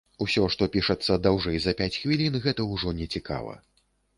Усё, што пішацца даўжэй за пяць хвілін, гэта ўжо не цікава.